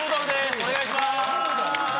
お願いします。